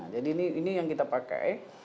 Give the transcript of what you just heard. jadi ini yang kita pakai